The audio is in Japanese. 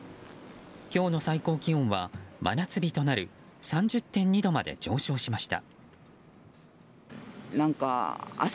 今日の最高気温は真夏日となる３０．２度まで上昇しました。